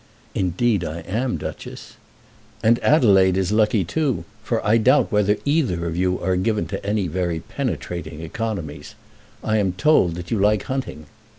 "Indeed I am, Duchess." "And Adelaide is lucky, too, for I doubt whether either of you are given to any very penetrating economies. I am told that you like hunting."